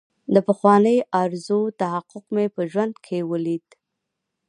د پخوانۍ ارزو تحقق مې په ژوند کې ولید.